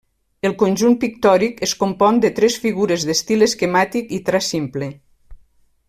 El conjunt pictòric es compon de tres figures d'estil esquemàtic i traç simple.